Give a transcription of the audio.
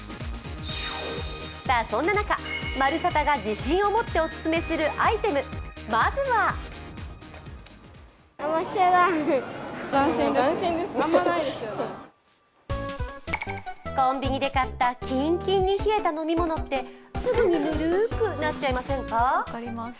そんな中、「まるサタ」が自信を持ってオススメするアイテム、まずはコンビニで買ったキンキンに冷えた飲み物ってすぐにぬるくなっちゃいませんか。